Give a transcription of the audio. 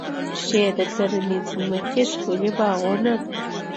ښې د کرنې ځمکې، ښکلي باغونه